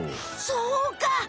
そうか！